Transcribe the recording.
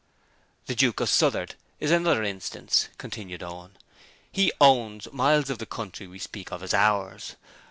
'The Duke of Southward is another instance,' continued Owen. 'He "owns" miles of the country we speak of as "ours".